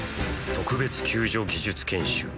特別救助技術研修